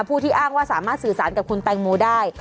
ผู้ที่อ้างว่าสามารถสื่อสารกับคุณแตงโมได้